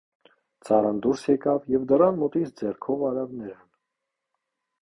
Ծառան դուրս եկավ և դռան մոտից ձեռքով արավ նրան: